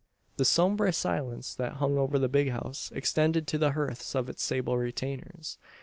The sombre silence that hung over the "big house" extended to the hearths of its sable retainers.